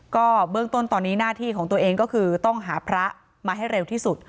ก็เบื้องต้นตอนนี้หน้าที่ของตัวเองก็คือต้องหาพระมาให้เร็วที่สุด